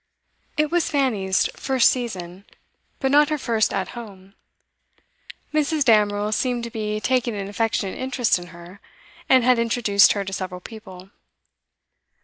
It was Fanny's 'first season,' but not her first 'at home.' Mrs. Damerel seemed to be taking an affectionate interest in her, and had introduced her to several people.